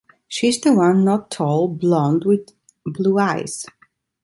She is the one not tall, blond with blue eyes.